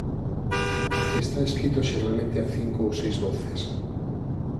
Está escrito xeralmente a cinco ou seis voces.